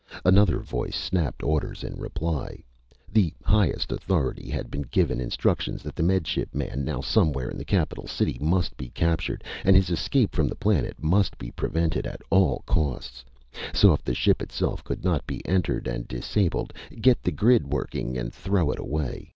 Another voice snapped orders in reply. The highest authority had given instructions that the Med Ship man now somewhere in the capital city must be captured, and his escape from the planet must be prevented at all costs. So if the ship itself could not be entered and disabled, get the grid working and throw it away.